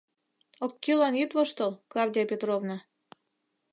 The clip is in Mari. Оккӱллан ит воштыл, Клавдия Петровна.